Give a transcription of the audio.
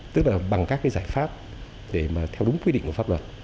tức là bằng các cái giải pháp để mà theo đúng quy định của pháp luật